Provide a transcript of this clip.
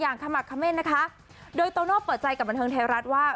ขมักเม่นนะคะโดยโตโน่เปิดใจกับบันเทิงไทยรัฐว่า